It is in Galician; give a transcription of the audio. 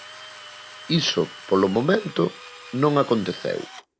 Iso, polo momento, non aconteceu.